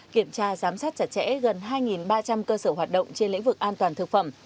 kiểm tra giám sát chặt chẽ gần hai ba trăm linh cơ sở hoạt động trên lĩnh vực an toàn thực phẩm